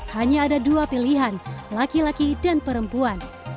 hanya ada dua pilihan laki laki dan perempuan